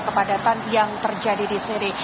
kepadatan yang terjadi disini